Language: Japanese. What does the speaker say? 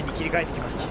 きましたね。